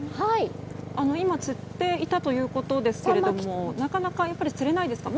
今釣っていたということですがなかなか、やっぱり釣れないですか。